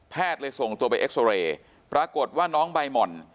เลยส่งตัวไปเอ็กซอเรย์ปรากฏว่าน้องใบหม่อน